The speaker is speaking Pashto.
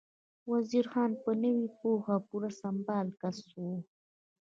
وزیر خان په نوې پوهه پوره سمبال کس و.